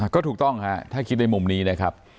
ก็ถูกต้องฮะถ้าคิดในมุมนี้นะครับ